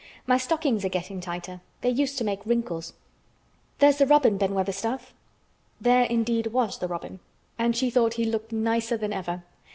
"My stockings are getting tighter. They used to make wrinkles. There's the robin, Ben Weatherstaff." There, indeed, was the robin, and she thought he looked nicer than ever.